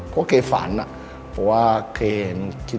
เพราะว่าเคยคิดว่าเล่นขึ้นได้